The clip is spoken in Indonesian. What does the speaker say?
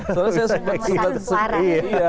terus saya sempat disepi